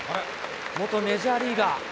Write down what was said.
元メジャーリーガー。